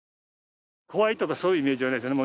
怖いとかそういうイメージはないですね。